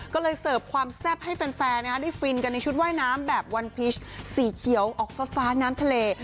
ก็เลยเสิร์ฟความแซ่บให้แฟนได้ฟินกันในชุดว่ายน้ำแบบวันพีชสีเขียวออกฟ้าน้ำทะเล